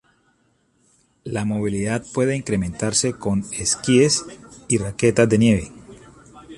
La movilidad puede incrementarse con esquíes y raquetas de nieve.